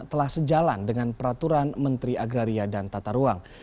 telah sejalan dengan peraturan menteri agraria dan tata ruang